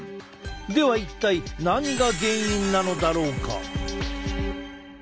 では一体何が原因なのだろうか？